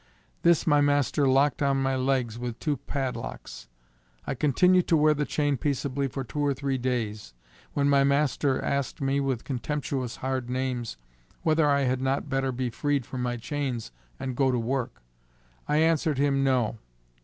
This my master locked on my legs with two padlocks. I continued to wear the chain peaceably for two or three days, when my master asked me with contemptuous hard names whether I had not better be freed from my chains and go to work. I answered him, No.